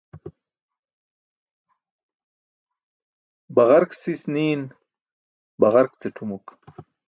Baġark sis niin baġark ce tʰumuk.